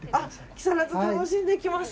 木更津、楽しんできます。